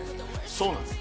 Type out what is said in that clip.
そうなんです